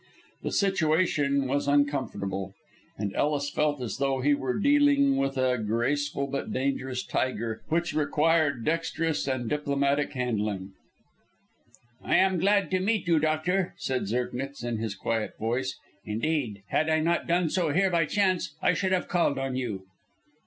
The situation was uncomfortable, and Ellis felt as though he were dealing with a graceful but dangerous tiger which required dexterous and diplomatic handling. "I am glad to meet you, doctor," said Zirknitz, in his quiet voice. "Indeed, had I not done so here by chance I should have called on you."